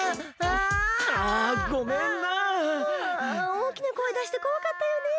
おおきなこえだしてこわかったよね。